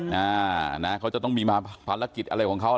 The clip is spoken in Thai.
นะเขาจะต้องมีมาภารกิจอะไรของเขา